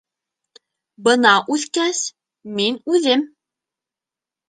Бына үҫкәс, мин үҙем...